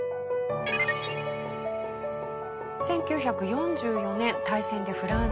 １９４４年大戦でフランスへ。